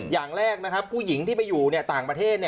อย่างแรกนะครับผู้หญิงที่ไปอยู่ต่างประเทศ